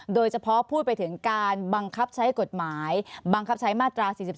โดยเฉพาะพูดไปถึงการบังคับใช้กฎหมายบังคับใช้มาตรา๔๔